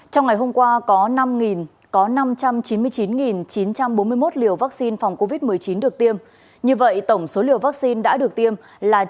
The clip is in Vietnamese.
trong ngày hôm qua có năm trăm chín mươi chín chín trăm bốn mươi một liều vaccine phòng covid một mươi chín được tiêm như vậy tổng số liều vaccine đã được tiêm là chín chín trăm tám mươi bảy năm trăm tám mươi bảy liều